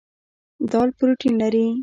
دال پروټین لري.